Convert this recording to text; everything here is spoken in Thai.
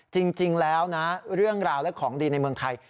จริงแล้วนะเรื่องราวและของดีในเมืองไทย